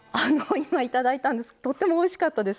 今、いただいたんですけどとってもおいしかったです。